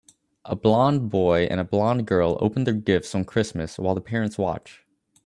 A blond boy and a blond girl open their gifts on Christmas while the parents watch